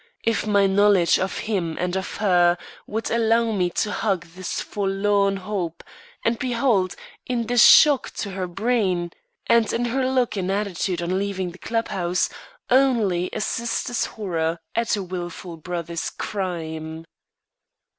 If my knowledge of him and of her would allow me to hug this forlorn hope, and behold, in this shock to her brain, and in her look and attitude on leaving the club house, only a sister's horror at a wilful brother's crime!